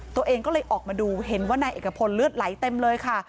ตัวเองก็เลยออกมาดูเห็นว่านายเอกพลเลือดไหลเต็มเลยค่ะ